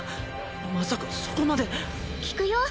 まさかそこまで効くよ